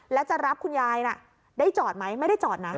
แล้วจะรับคุณยายน่ะได้จอดไหมไม่ได้จอดนะ